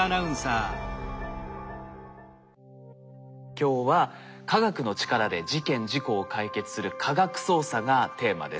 今日は科学の力で事件事故を解決する科学捜査がテーマです。